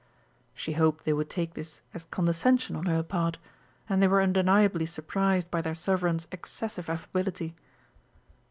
She hoped they would take this as condescension on her part, and they were undeniably surprised by their Sovereign's excessive affability.